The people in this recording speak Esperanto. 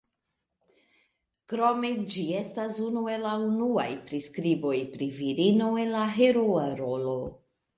Krome ĝi estas unu el la unuaj priskriboj pri virino en la heroa rolo.